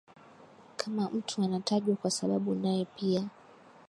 kama mtu anatajwa kwa sababu nae pia